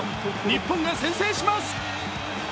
日本が先制します。